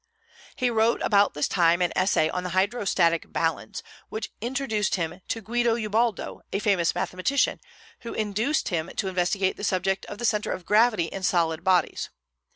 He wrote about this time an essay on the Hydrostatic Balance, which introduced him to Guido Ubaldo, a famous mathematician, who induced him to investigate the subject of the centre of gravity in solid bodies.